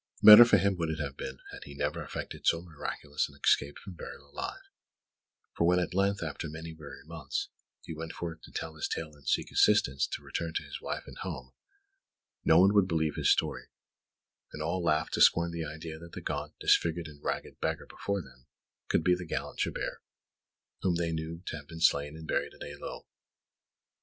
Better for him would it have been had he never effected so miraculous an escape from burial alive, for when at length, after many weary months, he went forth to tell his tale and seek assistance to return to his wife and home, no one would believe his story, and all laughed to scorn the idea that the gaunt, disfigured and ragged beggar before them could be the gallant Chabert, whom they knew to have been slain and buried at Eylau.